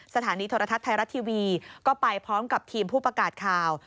สถานีโทรทัศน์ไทยรัฐทีวีก็ไปพร้อมกับทีมผู้ประกาศข่าว